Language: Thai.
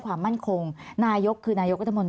ทำไมรัฐต้องเอาเงินภาษีประชาชน